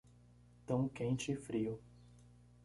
Tão quente e frio